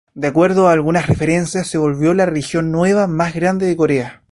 De acuerdo a algunas referencias se volvió la religión nueva más grande de Corea.